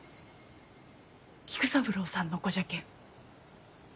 菊三郎さんの子じゃけん。